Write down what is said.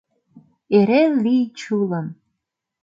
Эре лий чулым!